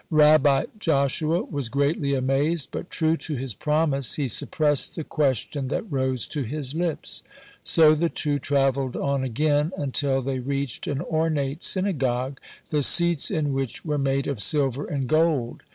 Rabbi Joshua was greatly amazed, but true to his promise he suppressed the question that rose to his lips. So the two travelled on again, until they reached an ornate synagogue, the seats in which were made of silver and gold.